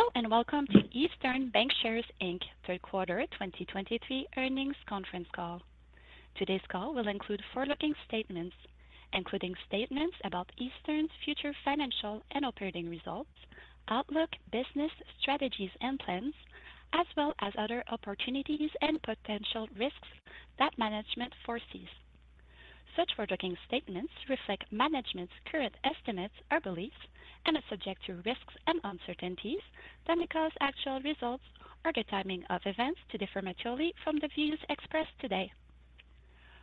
Hello, and welcome to Eastern Bankshares, Inc Third Quarter 2023 Earnings Conference Call. Today's call will include forward-looking statements, including statements about Eastern's future financial and operating results, outlook, business, strategies and plans, as well as other opportunities and potential risks that management foresees. Such forward-looking statements reflect management's current estimates or beliefs and are subject to risks and uncertainties that may cause actual results or the timing of events to differ materially from the views expressed today.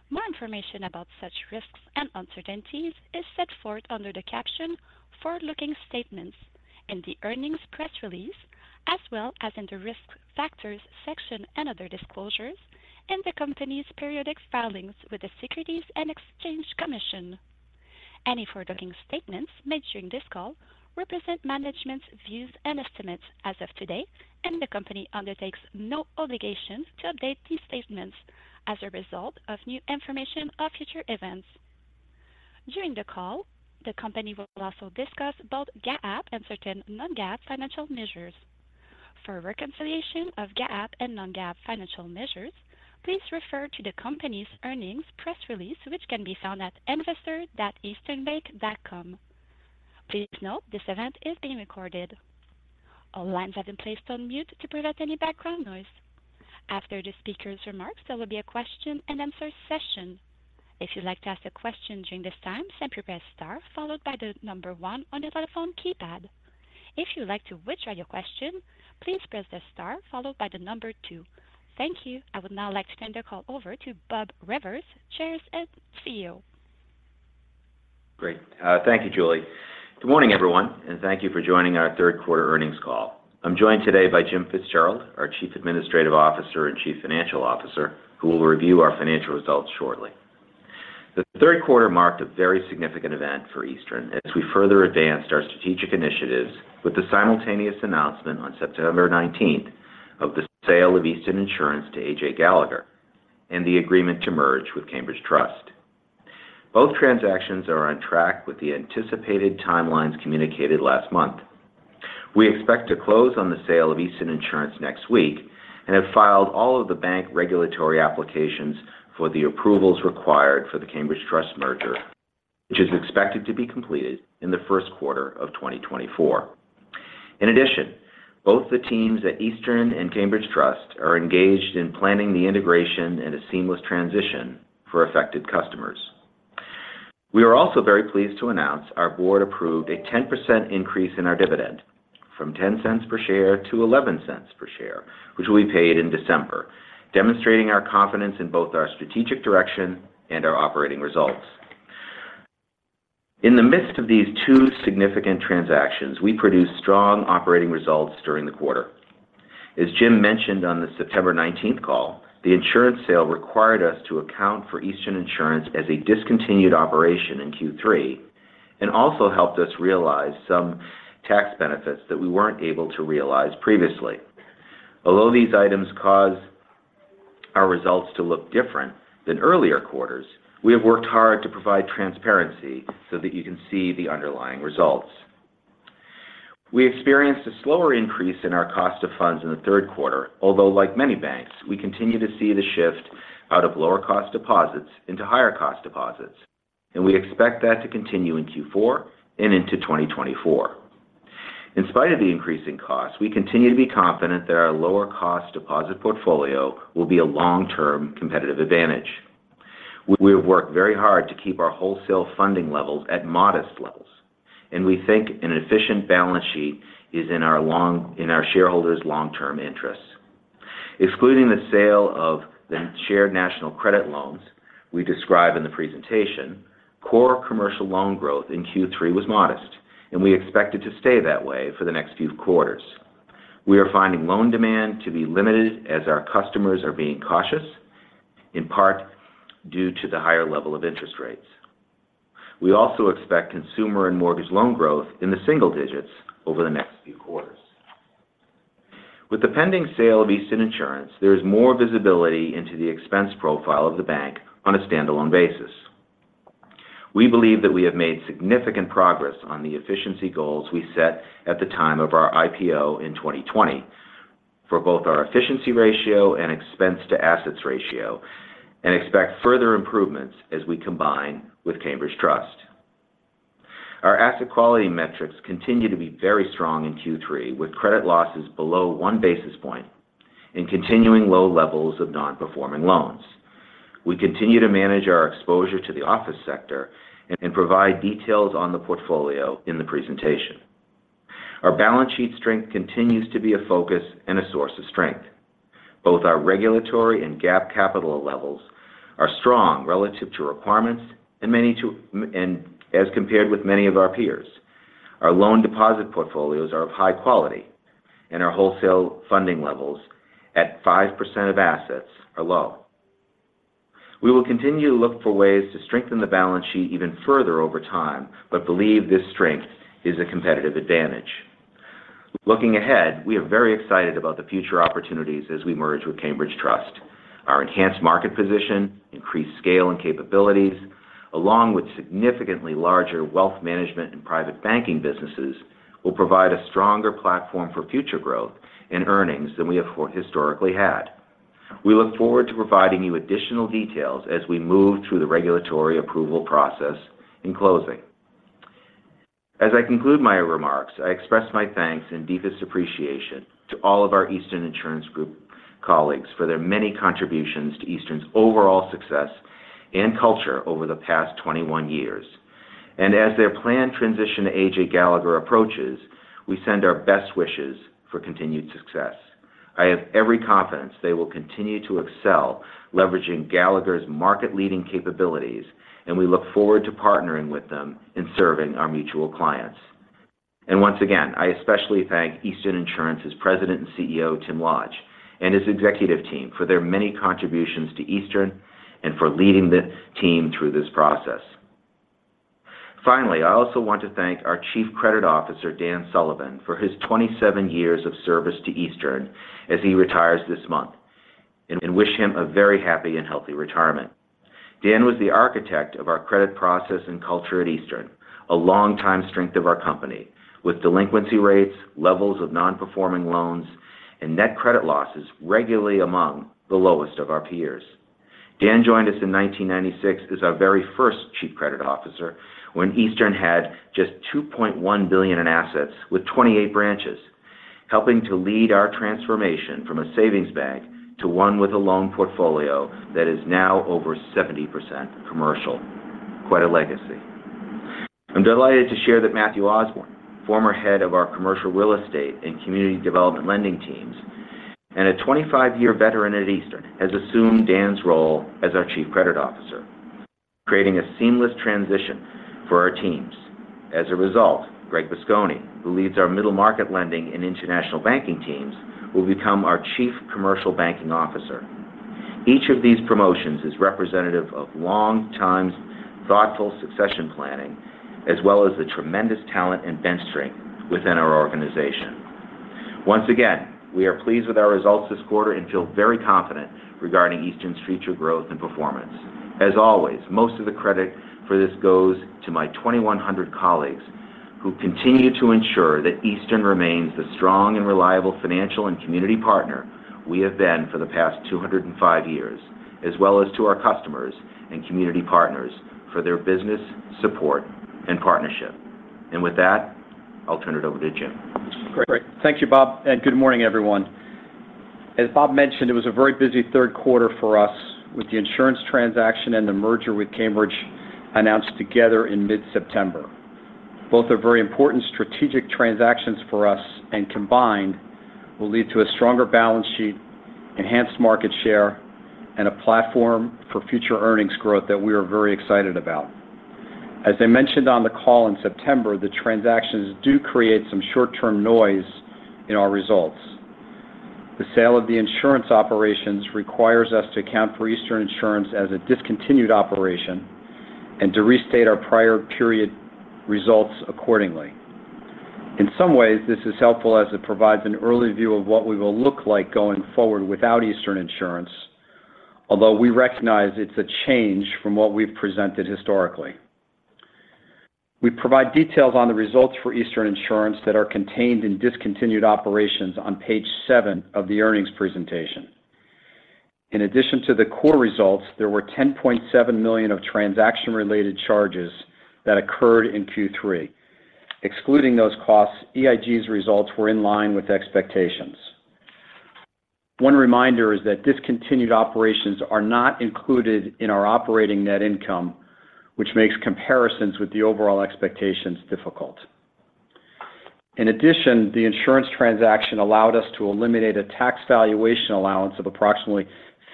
More information about such risks and uncertainties is set forth under the caption Forward-Looking Statements in the earnings press release, as well as in the Risk Factors section and other disclosures in the company's periodic filings with the Securities and Exchange Commission. Any forward-looking statements made during this call represent management's views and estimates as of today, and the company undertakes no obligation to update these statements as a result of new information or future events. During the call, the company will also discuss both GAAP and certain non-GAAP financial measures. For a reconciliation of GAAP and non-GAAP financial measures, please refer to the company's earnings press release, which can be found at investor.easternbank.com. Please note, this event is being recorded. All lines have been placed on mute to prevent any background noise. After the speaker's remarks, there will be a question-and-answer session. If you'd like to ask a question during this time, simply press star followed by the number 1 on your telephone keypad. If you'd like to withdraw your question, please press the star followed by the number 2. Thank you. I would now like to turn the call over to Bob Rivers, Chair and CEO. Great. Thank you, Julie. Good morning, everyone, and thank you for joining our Third Quarter Earnings Call. I'm joined today by Jim Fitzgerald, our Chief Administrative Officer and Chief Financial Officer, who will review our financial results shortly. The third quarter marked a very significant event for Eastern as we further advanced our strategic initiatives with the simultaneous announcement on September 19 of the sale of Eastern Insurance to A.J. Gallagher and the agreement to merge with Cambridge Trust. Both transactions are on track with the anticipated timelines communicated last month. We expect to close on the sale of Eastern Insurance next week and have filed all of the bank regulatory applications for the approvals required for the Cambridge Trust merger, which is expected to be completed in the first quarter of 2024. In addition, both the teams at Eastern and Cambridge Trust are engaged in planning the integration and a seamless transition for affected customers. We are also very pleased to announce our board approved a 10% increase in our dividend from $0.10 per share to $0.11 per share, which will be paid in December, demonstrating our confidence in both our strategic direction and our operating results. In the midst of these two significant transactions, we produced strong operating results during the quarter. As Jim mentioned on the September nineteenth call, the insurance sale required us to account for Eastern Insurance as a discontinued operation in Q3 and also helped us realize some tax benefits that we weren't able to realize previously. Although these items cause our results to look different than earlier quarters, we have worked hard to provide transparency so that you can see the underlying results. We experienced a slower increase in our cost of funds in the third quarter, although like many banks, we continue to see the shift out of lower-cost deposits into higher-cost deposits, and we expect that to continue in Q4 and into 2024. In spite of the increasing costs, we continue to be confident that our lower cost deposit portfolio will be a long-term competitive advantage. We have worked very hard to keep our wholesale funding levels at modest levels, and we think an efficient balance sheet is in our shareholders' long-term interests. Excluding the sale of the Shared National Credit loans we describe in the presentation, core commercial loan growth in Q3 was modest, and we expect it to stay that way for the next few quarters. We are finding loan demand to be limited as our customers are being cautious, in part due to the higher level of interest rates. We also expect consumer and mortgage loan growth in the single digits over the next few quarters. With the pending sale of Eastern Insurance, there is more visibility into the expense profile of the bank on a standalone basis. We believe that we have made significant progress on the efficiency goals we set at the time of our IPO in 2020, for both our efficiency ratio and expense to assets ratio, and expect further improvements as we combine with Cambridge Trust. Our asset quality metrics continue to be very strong in Q3, with credit losses below one basis point and continuing low levels of non-performing loans. We continue to manage our exposure to the office sector and provide details on the portfolio in the presentation. Our balance sheet strength continues to be a focus and a source of strength. Both our regulatory and GAAP capital levels are strong relative to requirements and as compared with many of our peers. Our loan deposit portfolios are of high quality and our wholesale funding levels at 5% of assets are low. We will continue to look for ways to strengthen the balance sheet even further over time, but believe this strength is a competitive advantage. Looking ahead, we are very excited about the future opportunities as we merge with Cambridge Trust. Our enhanced market position, increased scale and capabilities, along with significantly larger wealth management and private banking businesses, will provide a stronger platform for future growth and earnings than we have for historically had. We look forward to providing you additional details as we move through the regulatory approval process in closing. As I conclude my remarks, I express my thanks and deepest appreciation to all of our Eastern Insurance Group colleagues for their many contributions to Eastern's overall success and culture over the past 21 years. And as their planned transition to AJ Gallagher approaches, we send our best wishes for continued success. I have every confidence they will continue to excel, leveraging Gallagher's market-leading capabilities, and we look forward to partnering with them in serving our mutual clients. And once again, I especially thank Eastern Insurance's President and CEO, Tim Lodge, and his executive team for their many contributions to Eastern and for leading the team through this process. Finally, I also want to thank our Chief Credit Officer, Dan Sullivan, for his 27 years of service to Eastern as he retires this month, and wish him a very happy and healthy retirement. Dan was the architect of our credit process and culture at Eastern, a longtime strength of our company, with delinquency rates, levels of non-performing loans, and net credit losses regularly among the lowest of our peers. Dan joined us in 1996 as our very first Chief Credit Officer when Eastern had just $2.1 billion in assets with 28 branches, helping to lead our transformation from a savings bank to one with a loan portfolio that is now over 70% commercial. Quite a legacy. I'm delighted to share that Matthew Osborne, former head of our Commercial Real Estate and Community Development Lending teams, and a 25-year veteran at Eastern, has assumed Dan's role as our Chief Credit Officer, creating a seamless transition for our teams. As a result, Greg Buscone, who leads our Middle Market Lending and International Banking teams, will become our Chief Commercial Banking Officer. Each of these promotions is representative of long-term thoughtful succession planning, as well as the tremendous talent and bench strength within our organization. Once again, we are pleased with our results this quarter and feel very confident regarding Eastern's future growth and performance. As always, most of the credit for this goes to my 2,100 colleagues, who continue to ensure that Eastern remains the strong and reliable financial and community partner we have been for the past 205 years, as well as to our customers and community partners for their business, support, and partnership. With that, I'll turn it over to Jim. Great. Thank you, Bob, and good morning, everyone. As Bob mentioned, it was a very busy third quarter for us with the insurance transaction and the merger with Cambridge announced together in mid-September. Both are very important strategic transactions for us, and combined, will lead to a stronger balance sheet, enhanced market share, and a platform for future earnings growth that we are very excited about. As I mentioned on the call in September, the transactions do create some short-term noise in our results. The sale of the insurance operations requires us to account for Eastern Insurance as a discontinued operation and to restate our prior period results accordingly. In some ways, this is helpful as it provides an early view of what we will look like going forward without Eastern Insurance, although we recognize it's a change from what we've presented historically. We provide details on the results for Eastern Insurance that are contained in discontinued operations on page seven of the Earnings Presentation. In addition to the core results, there were $10.7 million of transaction-related charges that occurred in Q3. Excluding those costs, EIG's results were in line with expectations. One reminder is that discontinued operations are not included in our operating net income, which makes comparisons with the overall expectations difficult. In addition, the insurance transaction allowed us to eliminate a tax valuation allowance of approximately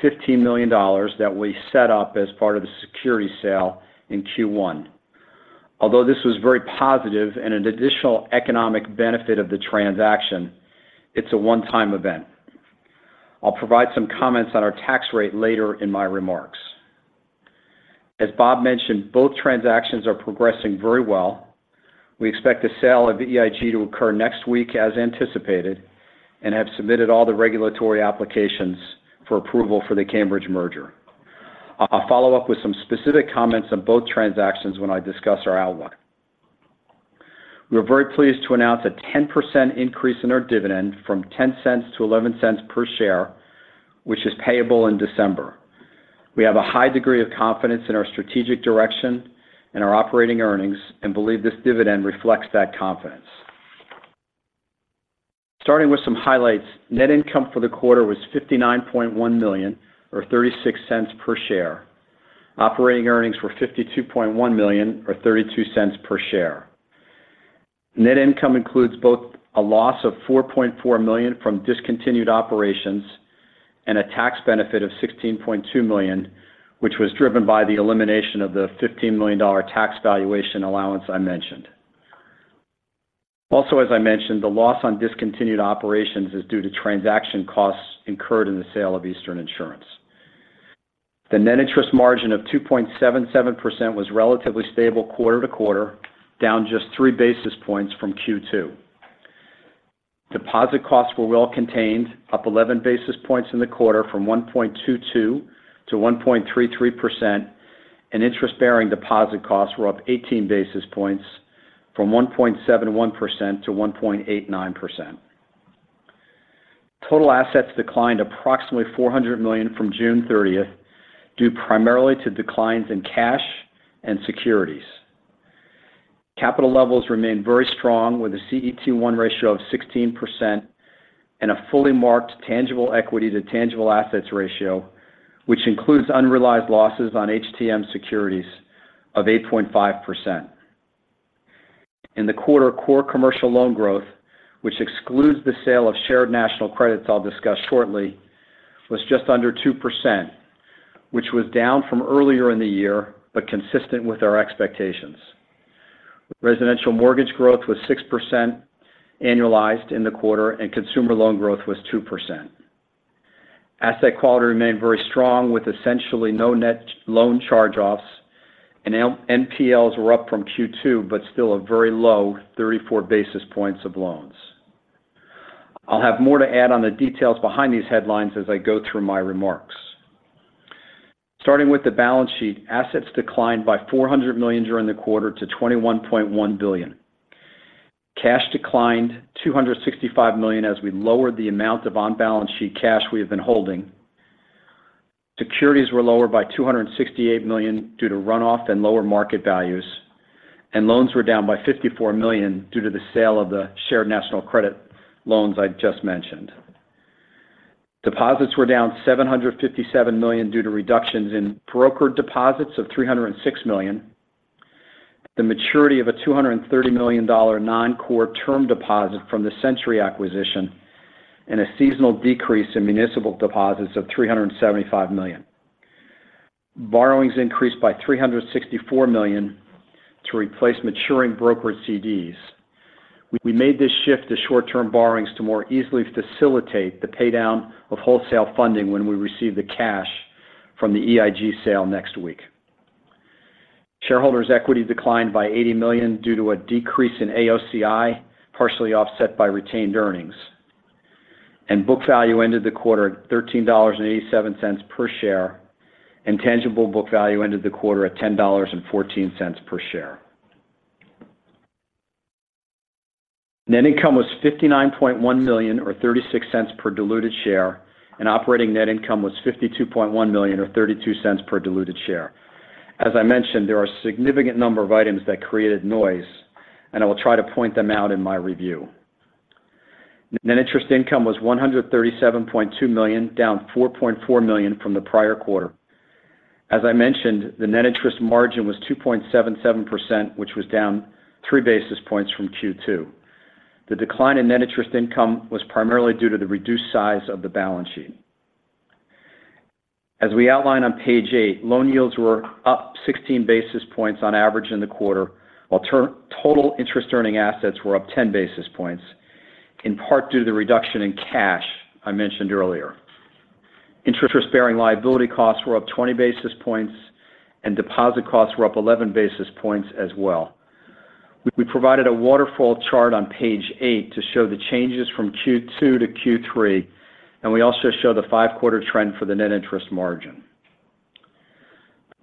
$15 million that we set up as part of the security sale in Q1. Although this was very positive and an additional economic benefit of the transaction, it's a one-time event. I'll provide some comments on our tax rate later in my remarks. As Bob mentioned, both transactions are progressing very well. We expect the sale of EIG to occur next week, as anticipated, and have submitted all the regulatory applications for approval for the Cambridge merger. I'll follow up with some specific comments on both transactions when I discuss our outlook. We are very pleased to announce a 10% increase in our dividend from $0.10 to $0.11 per share, which is payable in December. We have a high degree of confidence in our strategic direction and our operating earnings, and believe this dividend reflects that confidence. Starting with some highlights, net income for the quarter was $59.1 million or $0.36 per share. Operating earnings were $52.1 million or $0.32 per share. Net income includes both a loss of $4.4 million from discontinued operations and a tax benefit of $16.2 million, which was driven by the elimination of the $15 million tax valuation allowance I mentioned. Also, as I mentioned, the loss on discontinued operations is due to transaction costs incurred in the sale of Eastern Insurance. The net interest margin of 2.77% was relatively stable quarter to quarter, down just 3 basis points from Q2. Deposit costs were well contained, up 11 basis points in the quarter from 1.22% to 1.33%, and interest-bearing deposit costs were up 18 basis points from 1.71% to 1.89%. Total assets declined approximately $400 million from June thirtieth, due primarily to declines in cash and securities. Capital levels remained very strong, with a CET1 ratio of 16% and a fully marked tangible equity to tangible assets ratio, which includes unrealized losses on HTM securities of 8.5%. In the quarter, core commercial loan growth, which excludes the sale of Shared National Credits I'll discuss shortly, was just under 2%, which was down from earlier in the year, but consistent with our expectations. Residential mortgage growth was 6% annualized in the quarter, and consumer loan growth was 2%. Asset quality remained very strong, with essentially no net loan charge-offs, and NPLs were up from Q2, but still a very low 34 basis points of loans. I'll have more to add on the details behind these headlines as I go through my remarks. Starting with the balance sheet, assets declined by $400 million during the quarter to $21.1 billion. Cash declined $265 million as we lowered the amount of on-balance sheet cash we have been holding. Securities were lower by $268 million due to runoff and lower market values. And loans were down by $54 million due to the sale of the Shared National Credit loans I just mentioned. Deposits were down $757 million due to reductions in brokered deposits of $306 million, the maturity of a $230 million non-core term deposit from the Century acquisition, and a seasonal decrease in municipal deposits of $375 million. Borrowings increased by $364 million to replace maturing brokered CDs. We made this shift to short-term borrowings to more easily facilitate the paydown of wholesale funding when we receive the cash from the EIG sale next week. Shareholders' equity declined by $80 million due to a decrease in AOCI, partially offset by retained earnings. Book value ended the quarter at $13.87 per share, and tangible book value ended the quarter at $10.14 per share. Net income was $59.1 million or $0.36 per diluted share, and operating net income was $52.1 million or $0.32 per diluted share. As I mentioned, there are a significant number of items that created noise, and I will try to point them out in my review. Net interest income was $137.2 million, down $4.4 million from the prior quarter. As I mentioned, the net interest margin was 2.77%, which was down 3 basis points from Q2. The decline in net interest income was primarily due to the reduced size of the balance sheet. As we outline on page eight, loan yields were up 16 basis points on average in the quarter, while total interest-earning assets were up 10 basis points, in part due to the reduction in cash I mentioned earlier. Interest-bearing liability costs were up 20 basis points and deposit costs were up 11 basis points as well. We provided a waterfall chart on page eight to show the changes from Q2-Q3, and we also show the five-quarter trend for the net interest margin.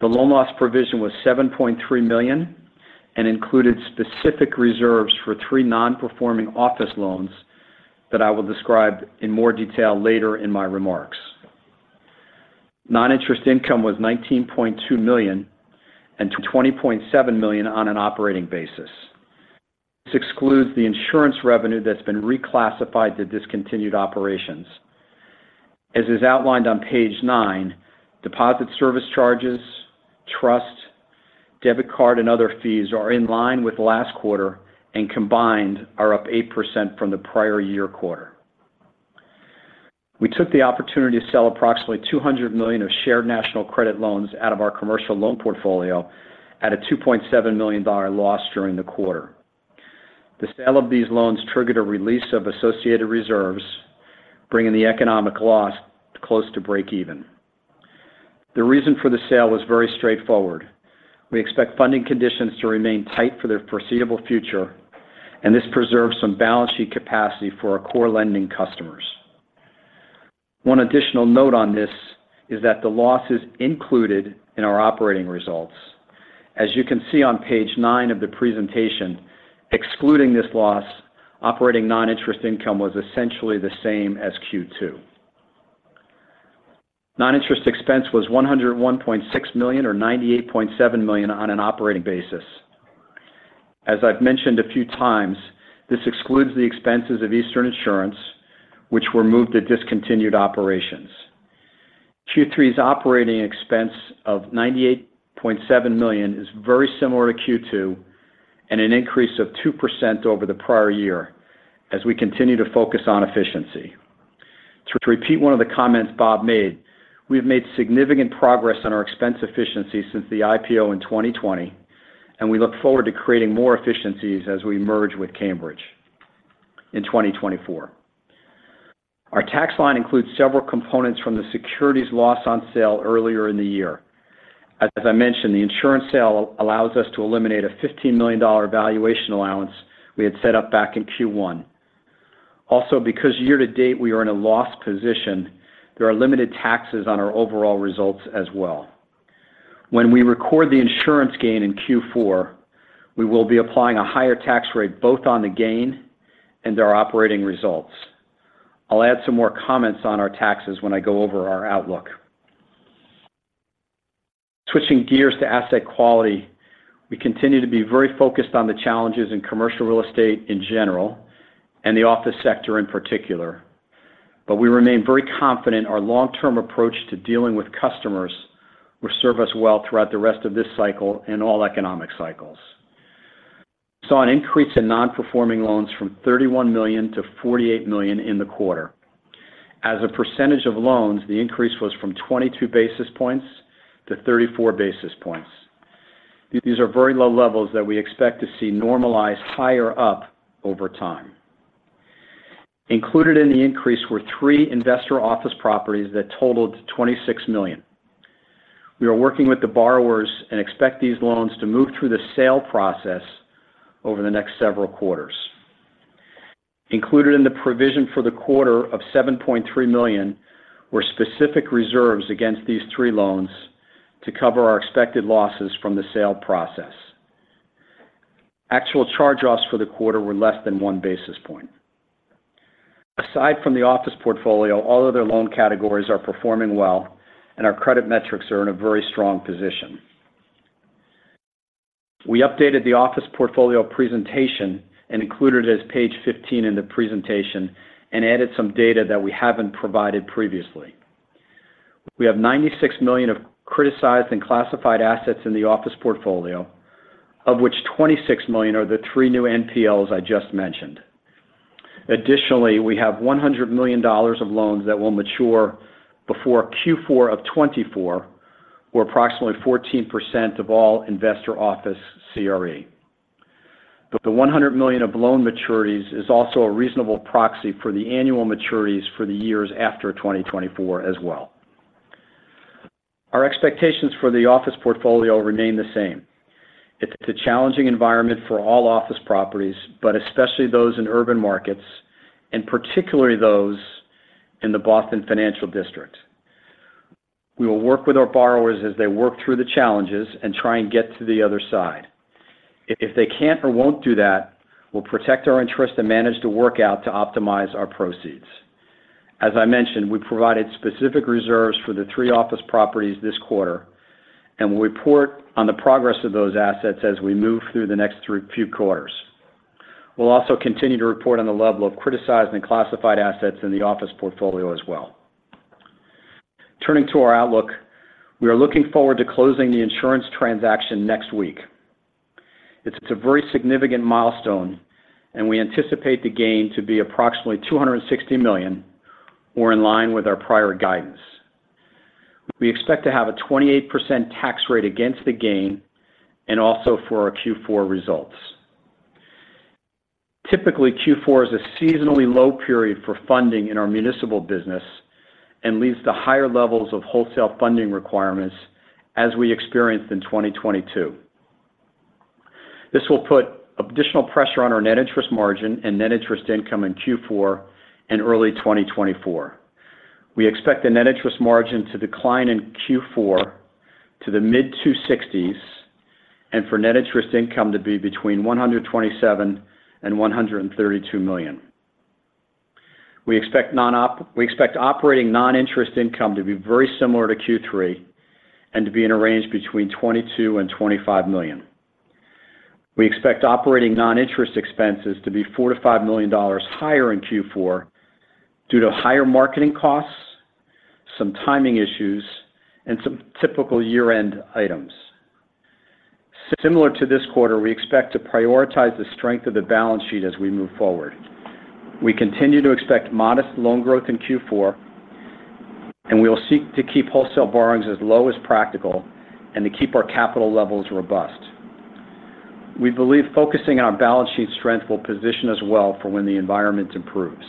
The loan loss provision was $7.3 million and included specific reserves for 3 non-performing office loans that I will describe in more detail later in my remarks. Non-interest income was $19.2 million and $20.7 million on an operating basis. This excludes the insurance revenue that's been reclassified to discontinued operations. As is outlined on page nine, deposit service charges, trust, debit card, and other fees are in line with last quarter, and combined are up 8% from the prior year quarter. We took the opportunity to sell approximately $200 million of Shared National Credit loans out of our commercial loan portfolio at a $2.7 million dollar loss during the quarter. The sale of these loans triggered a release of associated reserves, bringing the economic loss close to breakeven. The reason for the sale was very straightforward. We expect funding conditions to remain tight for the foreseeable future, and this preserves some balance sheet capacity for our core lending customers. One additional note on this is that the loss is included in our operating results. As you can see on page nine of the presentation, excluding this loss, operating non-interest income was essentially the same as Q2. Non-interest expense was $101.6 million or $98.7 million on an operating basis. As I've mentioned a few times, this excludes the expenses of Eastern Insurance, which were moved to discontinued operations. Q3's operating expense of $98.7 million is very similar to Q2 and an increase of 2% over the prior year as we continue to focus on efficiency. To repeat one of the comments Bob made, we've made significant progress on our expense efficiency since the IPO in 2020, and we look forward to creating more efficiencies as we merge with Cambridge in 2024. Our tax line includes several components from the securities loss on sale earlier in the year. As I mentioned, the insurance sale allows us to eliminate a $15 million valuation allowance we had set up back in Q1. Also, because year to date, we are in a loss position, there are limited taxes on our overall results as well. When we record the insurance gain in Q4, we will be applying a higher tax rate, both on the gain and our operating results. I'll add some more comments on our taxes when I go over our outlook. Switching gears to asset quality, we continue to be very focused on the challenges in commercial real estate in general and the office sector in particular. We remain very confident our long-term approach to dealing with customers will serve us well throughout the rest of this cycle and all economic cycles. Saw an increase in non-performing loans from $31 million to $48 million in the quarter. As a percentage of loans, the increase was from 22 basis points to 34 basis points. These are very low levels that we expect to see normalize higher up over time. Included in the increase were three investor office properties that totaled $26 million. We are working with the borrowers and expect these loans to move through the sale process over the next several quarters. Included in the provision for the quarter of $7.3 million, were specific reserves against these three loans to cover our expected losses from the sale process. Actual charge-offs for the quarter were less than 1 basis point. Aside from the office portfolio, all other loan categories are performing well, and our credit metrics are in a very strong position. We updated the office portfolio presentation and included it as page 15 in the presentation, and added some data that we haven't provided previously. We have $96 million of criticized and classified assets in the office portfolio, of which $26 million are the three new NPLs I just mentioned. Additionally, we have $100 million of loans that will mature before Q4 of 2024, or approximately 14% of all investor office CRE. But the $100 million of loan maturities is also a reasonable proxy for the annual maturities for the years after 2024 as well. Our expectations for the office portfolio remain the same. It's a challenging environment for all office properties, but especially those in urban markets, and particularly those in the Boston Financial District. We will work with our borrowers as they work through the challenges and try and get to the other side. If they can't or won't do that, we'll protect our interest and manage the workout to optimize our proceeds. As I mentioned, we provided specific reserves for the three office properties this quarter, and we'll report on the progress of those assets as we move through the next few quarters. We'll also continue to report on the level of criticized and classified assets in the office portfolio as well. Turning to our outlook, we are looking forward to closing the insurance transaction next week. It's a very significant milestone, and we anticipate the gain to be approximately $260 million or in line with our prior guidance. We expect to have a 28% tax rate against the gain and also for our Q4 results. Typically, Q4 is a seasonally low period for funding in our municipal business and leads to higher levels of wholesale funding requirements, as we experienced in 2022. This will put additional pressure on our net interest margin and net interest income in Q4 and early 2024. We expect the net interest margin to decline in Q4 to the mid-2.60s, and for net interest income to be between $127 million and $132 million. We expect operating non-interest income to be very similar to Q3 and to be in a range between $22 million and $25 million. We expect operating non-interest expenses to be $4 million to $5 million higher in Q4 due to higher marketing costs, some timing issues, and some typical year-end items. Similar to this quarter, we expect to prioritize the strength of the balance sheet as we move forward. We continue to expect modest loan growth in Q4, and we will seek to keep wholesale borrowings as low as practical and to keep our capital levels robust. We believe focusing on our balance sheet strength will position us well for when the environment improves.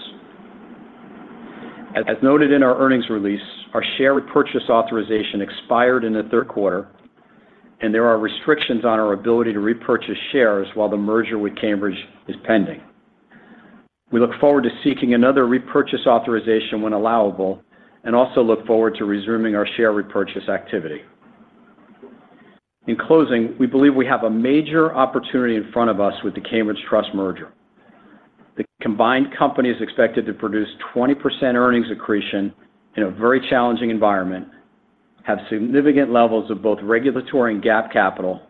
As noted in our earnings release, our share repurchase authorization expired in the third quarter, and there are restrictions on our ability to repurchase shares while the merger with Cambridge is pending. We look forward to seeking another repurchase authorization when allowable, and also look forward to resuming our share repurchase activity. In closing, we believe we have a major opportunity in front of us with the Cambridge Trust merger. The combined company is expected to produce 20% earnings accretion in a very challenging environment, have significant levels of both regulatory and GAAP capital,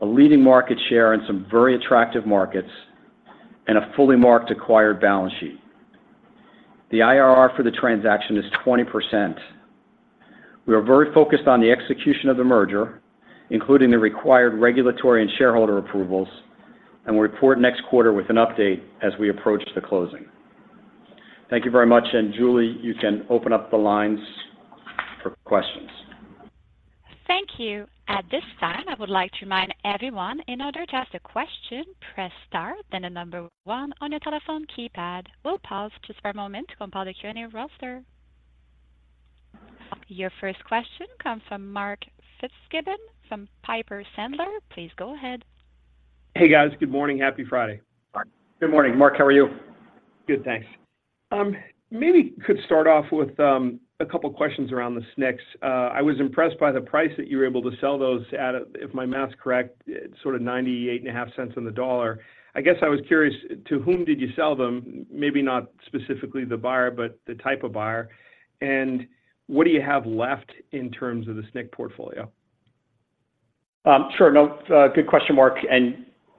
a leading market share in some very attractive markets, and a fully marked acquired balance sheet. The IRR for the transaction is 20%. We are very focused on the execution of the merger, including the required regulatory and shareholder approvals, and will report next quarter with an update as we approach the closing. Thank you very much, and Julie, you can open up the lines for questions. Thank you. At this time, I would like to remind everyone, in order to ask a question, press star, then 1 on your telephone keypad. We'll pause just for a moment to compile the Q&A roster. Your first question comes from Mark Fitzgibbon, from Piper Sandler. Please go ahead. Hey, guys. Good morning. Happy Friday. Good morning, Mark. How are you? Good, thanks. Maybe could start off with a couple questions around the SNCs. I was impressed by the price that you were able to sell those at, if my math is correct, sort of $0.985 on the dollar. I guess I was curious, to whom did you sell them? Maybe not specifically the buyer, but the type of buyer. And what do you have left in terms of the SNC portfolio? Sure. No, good question, Mark,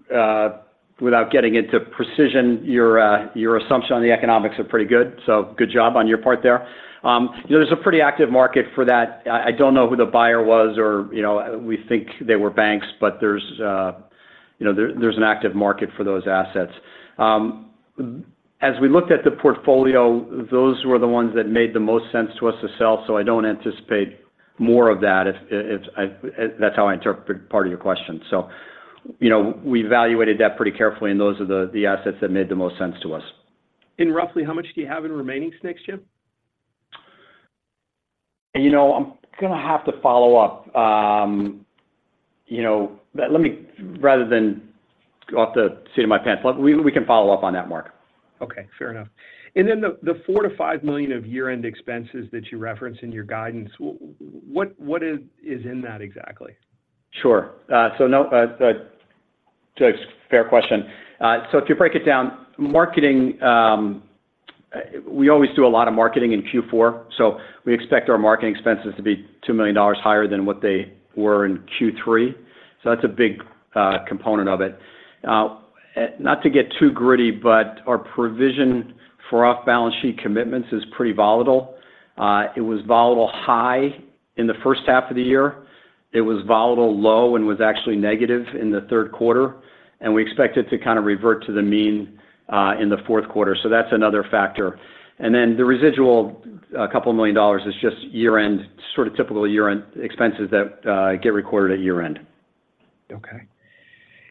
and, without getting into precision, your your assumption on the economics are pretty good. So good job on your part there. You know, there's a pretty active market for that. I don't know who the buyer was or, you know, we think they were banks, but there's, you know, an active market for those assets. As we looked at the portfolio, those were the ones that made the most sense to us to sell, so I don't anticipate more of that, if that's how I interpret part of your question. So, you know, we evaluated that pretty carefully, and those are the assets that made the most sense to us. Roughly how much do you have in remaining SNCs, Jim? You know, I'm going to have to follow up. You know, rather than off the seat of my pants, we can follow up on that, Mark. Okay, fair enough. And then the $4 million to $5 million of year-end expenses that you referenced in your guidance, what is in that exactly? Sure. So no, it's a fair question. So if you break it down, marketing, we always do a lot of marketing in Q4, so we expect our marketing expenses to be $2 million higher than what they were in Q3. So that's a big component of it. Not to get too gritty, but our provision for off-balance sheet commitments is pretty volatile. It was volatile high in the first half of the year. It was volatile low and was actually negative in the third quarter, and we expect it to kind of revert to the mean in the fourth quarter. So that's another factor. And then the residual couple of million dollars is just year-end, sort of typical year-end expenses that get recorded at year-end. Okay.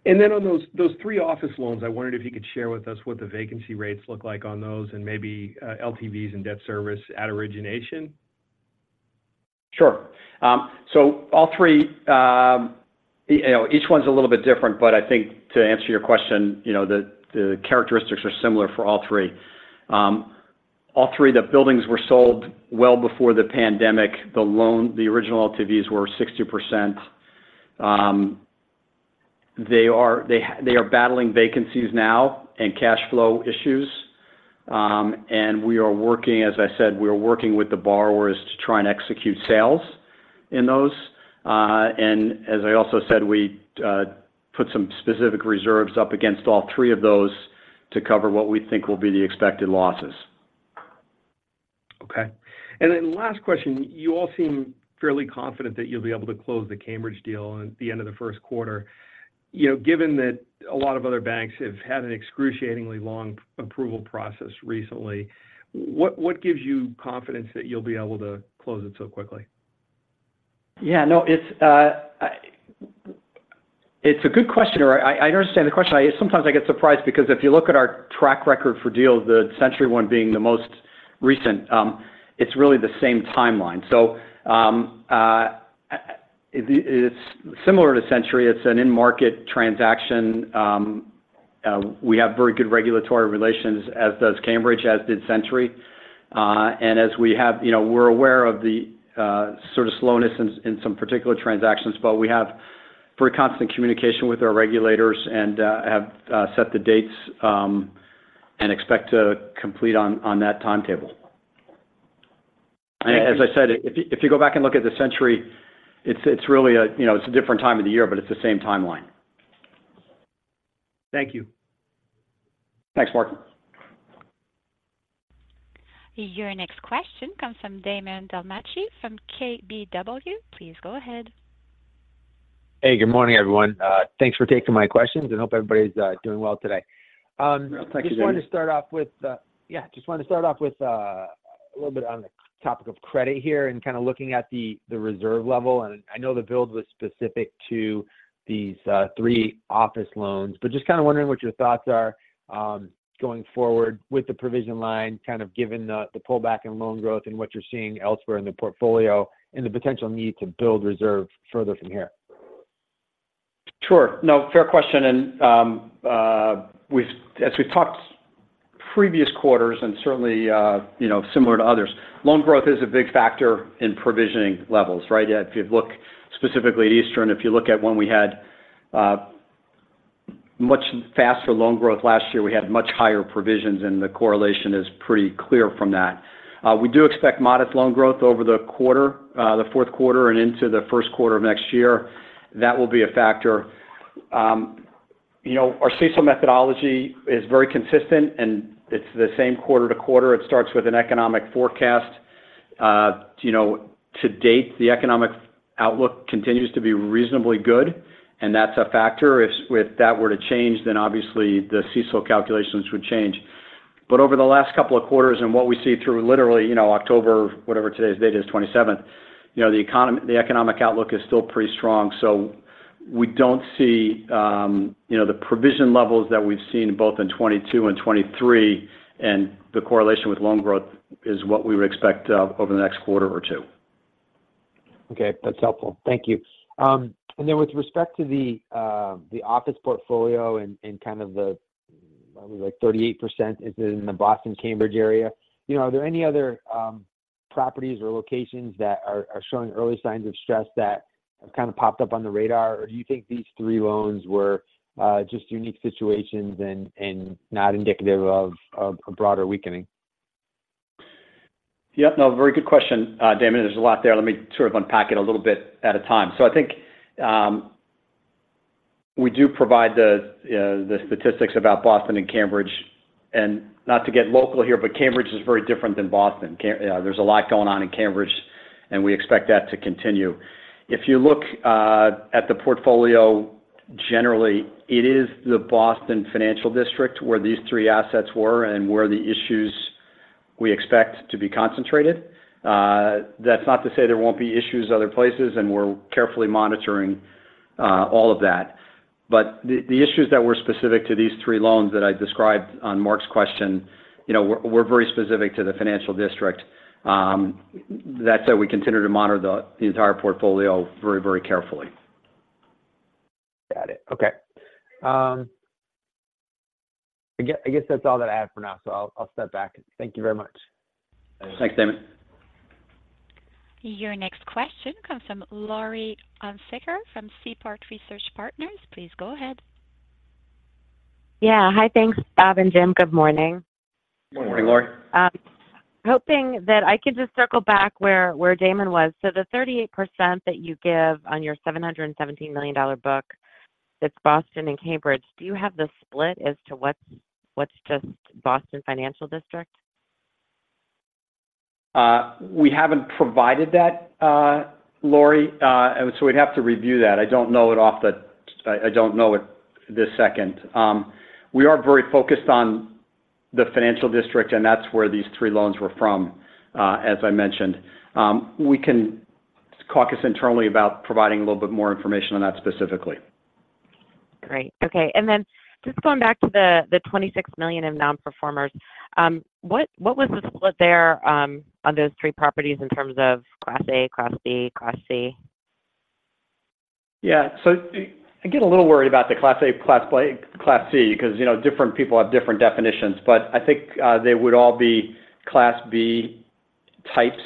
And then on those, those three office loans, I wondered if you could share with us what the vacancy rates look like on those, and maybe LTVs and debt service at origination? Sure. So all three, you know, each one's a little bit different, but I think to answer your question, you know, the, the characteristics are similar for all three. All three of the buildings were sold well before the pandemic. The loan, the original LTVs were 60%. They are battling vacancies now and cash flow issues, and we are working, as I said, we are working with the borrowers to try and execute sales in those. And as I also said, we put some specific reserves up against all three of those to cover what we think will be the expected losses. Okay. And then last question, you all seem fairly confident that you'll be able to close the Cambridge deal at the end of the first quarter. You know, given that a lot of other banks have had an excruciatingly long approval process recently, what gives you confidence that you'll be able to close it so quickly? Yeah, no, it's a good question, I understand the question. I sometimes get surprised because if you look at our track record for deals, the Century one being the most recent, it's really the same timeline. So, it's similar to Century. It's an in-market transaction. We have very good regulatory relations, as does Cambridge, as did Century. And as we're aware of the sort of slowness in some particular transactions, but we have very constant communication with our regulators and have set the dates and expect to complete on that timetable. Thank you. As I said, if you go back and look at the Century, it's really a, you know, it's a different time of the year, but it's the same timeline. Thank you. Thanks, Mark. Your next question comes from Damon DelMonte from KBW. Please go ahead. Hey, good morning, everyone. Thanks for taking my questions, and hope everybody's doing well today. Well, thank you, Damon. Just wanted to start off with a little bit on the topic of credit here and kind of looking at the reserve level. And I know the build was specific to these three office loans, but just kind of wondering what your thoughts are going forward with the provision line, kind of given the pullback in loan growth and what you're seeing elsewhere in the portfolio and the potential need to build reserves further from here. Sure. No, fair question, and we've as we've talked previous quarters and certainly, you know, similar to others, loan growth is a big factor in provisioning levels, right? If you look specifically at Eastern, if you look at when we had much faster loan growth last year, we had much higher provisions, and the correlation is pretty clear from that. We do expect modest loan growth over the quarter, the fourth quarter and into the first quarter of next year. That will be a factor. You know, our CECL methodology is very consistent, and it's the same quarter to quarter. It starts with an economic forecast. You know, to date, the economic outlook continues to be reasonably good, and that's a factor. If that were to change, then obviously the CECL calculations would change. But over the last couple of quarters, and what we see through literally, you know, October, whatever today's date is, 27th, you know, the economic outlook is still pretty strong. So we don't see, you know, the provision levels that we've seen both in 2022 and 2023, and the correlation with loan growth is what we would expect over the next quarter or two. Okay, that's helpful. Thank you. And then with respect to the office portfolio and kind of like 38% is in the Boston, Cambridge area, you know, are there any other properties or locations that are showing early signs of stress that have kind of popped up on the radar? Or do you think these three loans were just unique situations and not indicative of a broader weakening? No, very good question, Damon. There's a lot there. Let me unpack it a little bit at a time. We do provide the, the statistics about Boston and Cambridge, and not to get local here, but Cambridge is very different than Boston. There's a lot going on in Cambridge, and we expect that to continue. If you look at the portfolio, generally, it is the Boston Financial District where these three assets were and where the issues we expect to be concentrated. That's not to say there won't be issues other places, and we're carefully monitoring all of that. But the issues that were specific to these three loans that I described on Mark's question were very specific to the Financial District. That said, we continue to monitor the entire portfolio very, very carefully. Got it. Okay. I guess, I guess that's all that I have for now, so I'll, I'll step back. Thank you very much. Thanks, Damon. Your next question comes from Laurie Hunsicker from Seaport Research Partners. Please go ahead. Yeah. Hi. Thanks, Bob and Jim. Good morning. Good morning, Laurie. Hoping that I could just circle back where Damon was. So the 38% that you give on your $717 million book, that's Boston and Cambridge, do you have the split as to what's just Boston Financial District? We haven't provided that, Laurie, and so we'd have to review that. I don't know it this second. We are very focused on the financial district, and that's where these three loans were from, as I mentioned. We can caucus internally about providing a little bit more information on that specifically. Great. And then just going back to the $26 million of nonperformers, what was the split there, on those three properties in terms of Class A, Class B, Class C? I get a little worried about the Class A, Class B, Class C, because different people have different definitions, but I think they would all be Class B types,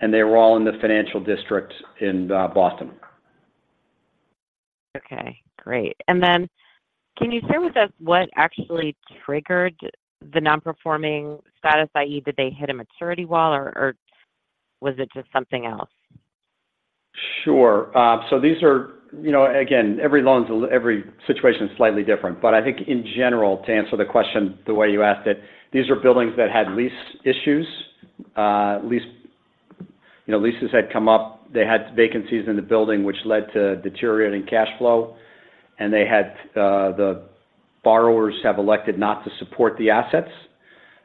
and they were all in the Financial District in Boston. Okay, great. Then can you share with us what actually triggered the nonperforming status, i.e., did they hit a maturity wall or, or was it just something else? These are, gain, every loan's, every situation is slightly different. But I think in general, to answer the question the way you asked it, these are buildings that had lease issues. Leases had come up. They had vacancies in the building, which led to deteriorating cash flow, and they had the borrowers have elected not to support the assets.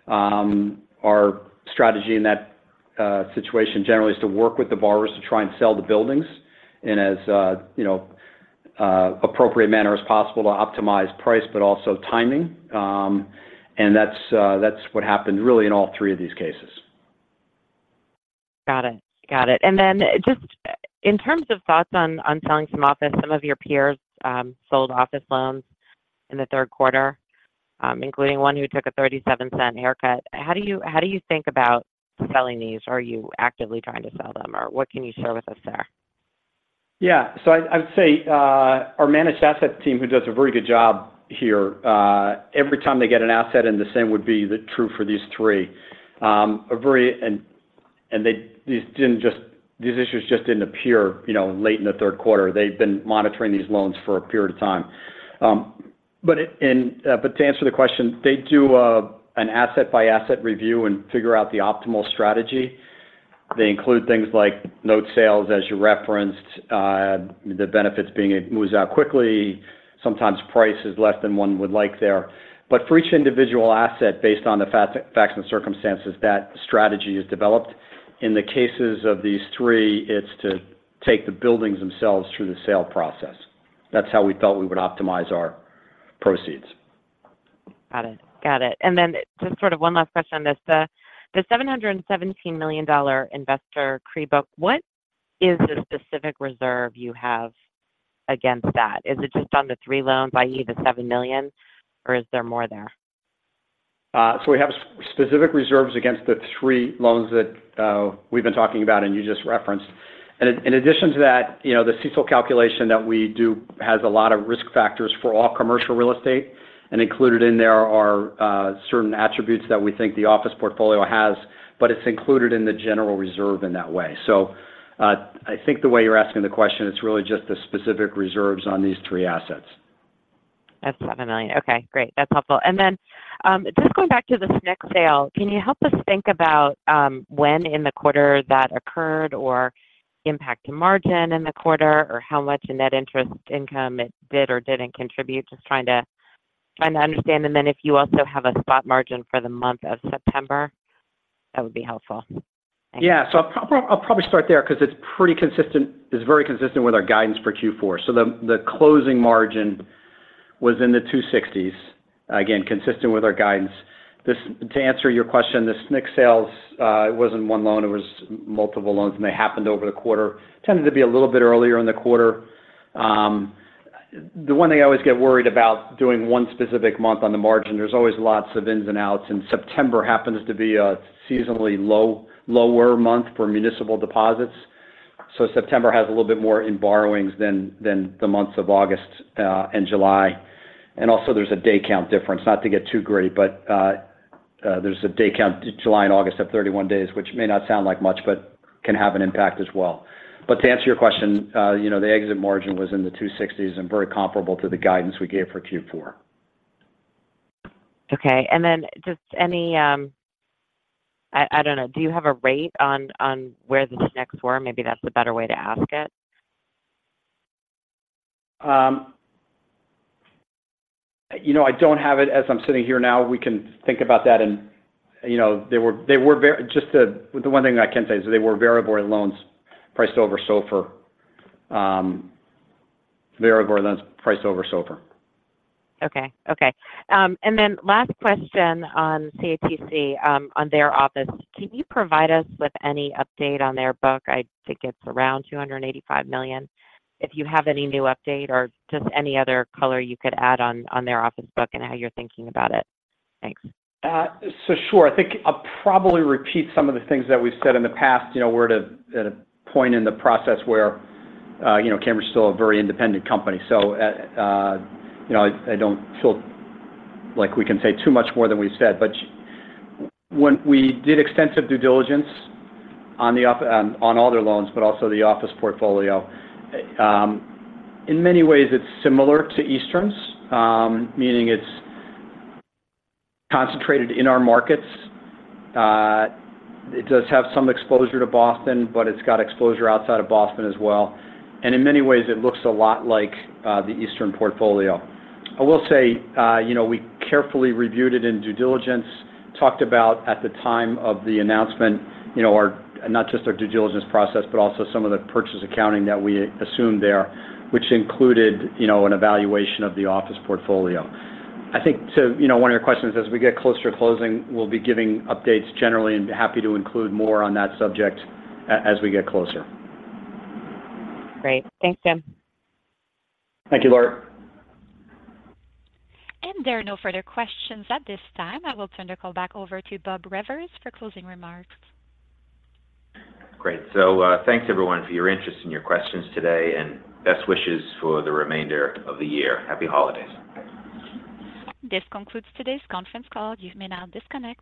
Our strategy in that situation generally is to work with the borrowers to try and sell the buildings in as a, you know, appropriate manner as possible to optimize price, but also timing. And that's what happened really in all three of these cases. Got it. Got it. And then just in terms of thoughts on, on selling some office, some of your peers sold office loans in the third quarter, including one who took a $0.37 haircut. How do you, how do you think about selling these? Are you actively trying to sell them, or what can you share with us there? I'd say our managed asset team, who does a very good job here, every time they get an asset, and the same would be true for these three, these issues just didn't appear late in the third quarter. They've been monitoring these loans for a period of time. But to answer the question, they do an asset-by-asset review and figure out the optimal strategy. They include things like note sales, as you referenced, the benefits being it moves out quickly. Sometimes price is less than one would like there. But for each individual asset, based on the facts and circumstances, that strategy is developed. In the cases of these three, it's to take the buildings themselves through the sale process. That's how we felt we would optimize our proceeds. Got it. And then just sort of one last question on this. The, the $717 million investor CRE book, what is the specific reserve you have against that? Is it just on the three loans, i.e., the $7 million, or is there more there? So we have specific reserves against the three loans that we've been talking about and you just referenced. And in addition to that, you know, the CECL calculation that we do has a lot of risk factors for all commercial real estate, and included in there are certain attributes that we think the office portfolio has, but it's included in the general reserve in that way. So I think the way you're asking the question, it's really just the specific reserves on these three assets. That's $7 million. Okay, great. That's helpful. And then, just going back to the SNC sale, can you help us think about, when in the quarter that occurred or impact to margin in the quarter, or how much in net interest income it did or didn't contribute? Just trying to understand, and then if you also have a spot margin for the month of September? That would be helpful. I'll probably start there because it's pretty consistent, it's very consistent with our guidance for Q4. So the closing margin was in the 260s. Again, consistent with our guidance. To answer your question, the SNC sales, it wasn't one loan, it was multiple loans, and they happened over the quarter. Tended to be a little bit earlier in the quarter. The one thing I always get worried about doing one specific month on the margin, there's always lots of ins and outs, and September happens to be a seasonally lower month for municipal deposits. So September has a little bit more in borrowings than the months of August and July. And also, there's a day count difference. Not to get too gray, but there's a day count. July and August have 31 days, which may not sound like much, but can have an impact as well. But to answer your question, you know, the exit margin was in the 260s and very comparable to the guidance we gave for Q4. Okay. And then just any, I don't know, do you have a rate on where the SNCs were? Maybe that's a better way to ask it. You know, I don't have it as I'm sitting here now. We can think about that and, you know, the one thing I can say is they were variable rate loans priced over SOFR. Variable rate loans priced over SOFR. Okay. Okay. And then last question on CATC, on their office. Can you provide us with any update on their book? I think it's around $285 million. If you have any new update or just any other color you could add on, on their office book and how you're thinking about it. Thanks. So sure. I think I'll probably repeat some of the things that we've said in the past. You know, we're at a point in the process where, you know, Cambridge is still a very independent company. So at, you know, I don't feel like we can say too much more than we've said. But when we did extensive due diligence on all their loans, but also the office portfolio. In many ways it's similar to Eastern's, meaning it's concentrated in our markets. It does have some exposure to Boston, but it's got exposure outside of Boston as well. And in many ways it looks a lot like the Eastern portfolio. I will say, you know, we carefully reviewed it in due diligence, talked about at the time of the announcement, you know, our not just our due diligence process, but also some of the purchase accounting that we assumed there, which included, you know, an evaluation of the office portfolio. I think to, you know, one of your questions, as we get closer to closing, we'll be giving updates generally, and happy to include more on that subject as we get closer. Great. Thanks, Jim. Thank you, Laura. There are no further questions at this time. I will turn the call back over to Bob Rivers for closing remarks. Great. So, thanks, everyone, for your interest and your questions today, and best wishes for the remainder of the year. Happy holidays! This concludes today's conference call. You may now disconnect.